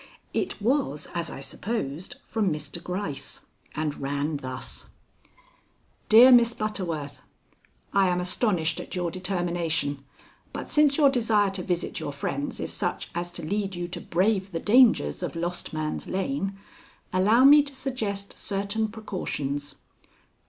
It was, as I supposed, from Mr. Gryce, and ran thus: "DEAR MISS BUTTERWORTH: "I am astonished at your determination, but since your desire to visit your friends is such as to lead you to brave the dangers of Lost Man's Lane, allow me to suggest certain precautions.